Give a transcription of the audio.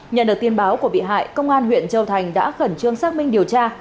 nhận được tin báo của bị hại công an huyện châu thành đã khẩn trương xác minh điều tra